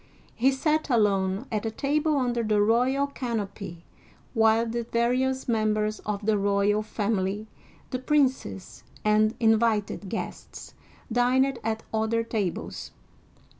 He sat alone at a table under the royal canopy, while the various members of the royal family, the princes and invited guests, dined at other tables.